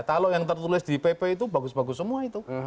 kalau yang tertulis di pp itu bagus bagus semua itu